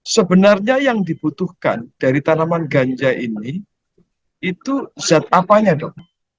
sebenarnya yang dibutuhkan dari tanaman ganja ini itu zat apanya dok